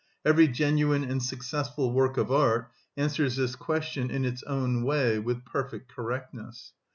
Every genuine and successful work of art answers this question in its own way with perfect correctness.